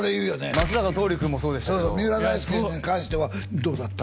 松坂桃李くんもそうでしたけどそうそう三浦大輔に関してはどうだった？